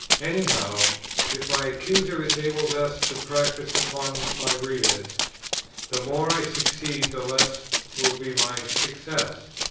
Any how, if my accuser is able thus to practise upon my readers, the more I succeed, the less will be my success.